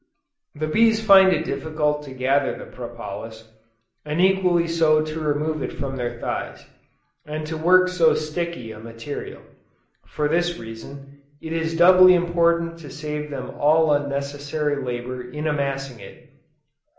The bees find it difficult to gather the propolis, and equally so to remove from their thighs, and to work so sticky a material. For this reason, it is doubly important to save them all unnecessary labor in amassing it.